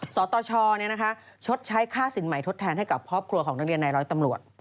สตชดใช้ค่าสินใหม่ทดแทนให้กับครอบครัวของนักเรียนในร้อยตำรวจ